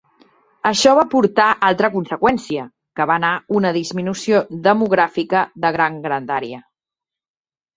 Això va portar altra conseqüència, que va anar una disminució demogràfica de gran grandària.